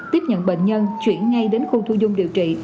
tiếp nhận bệnh nhân chuyển ngay đến khu thu dung điều trị